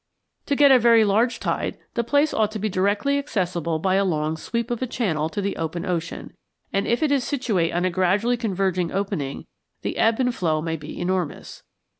To get a very large tide, the place ought to be directly accessible by a long sweep of a channel to the open ocean, and if it is situate on a gradually converging opening, the ebb and flow may be enormous.